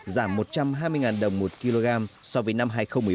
giảm một trăm hai mươi đồng một kg so với năm hai nghìn một mươi bảy